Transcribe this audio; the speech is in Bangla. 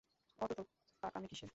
অত তোর পাকামি কিসের?